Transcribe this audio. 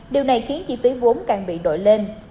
điều này khiến chi phí vốn càng bị đội lên